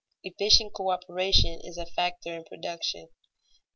Efficient coöperation is a factor in production.